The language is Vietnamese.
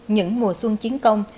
những mùa xuân chiến công